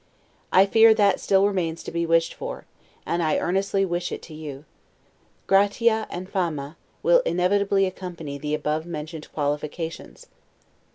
I fear that still remains to be wished for, and I earnestly wish it to you. 'Gratia and Fama' will inevitably accompany the above mentioned qualifications.